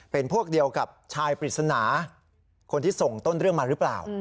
เป็นพวกเดียวกับชายปริศนาคนที่ส่งต้นเรื่องมาหรือเปล่า